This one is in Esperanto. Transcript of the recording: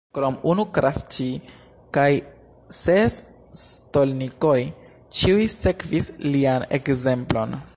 Krom unu kravĉij kaj ses stolnikoj ĉiuj sekvis lian ekzemplon.